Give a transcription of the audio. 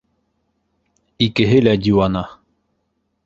Икеһе лә диуана.